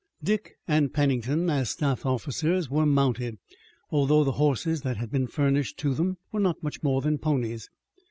Dick and Pennington, as staff officers, were mounted, although the horses that had been furnished to them were not much more than ponies.